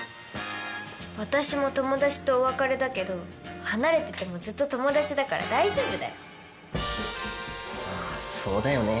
私も友達とお別れだけど離れててもずっと友達だから大丈夫だよ。